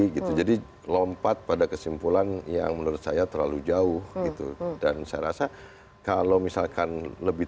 gitu jadi lompat pada kesimpulan yang menurut saya terlalu jauh gitu dan saya rasa kalau misalkan lebih